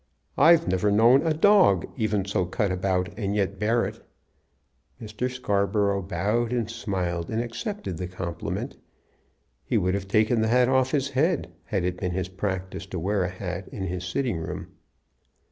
I've never known a dog even so cut about, and yet bear it." Mr. Scarborough bowed and smiled, and accepted the compliment. He would have taken the hat off his head, had it been his practice to wear a hat in his sitting room.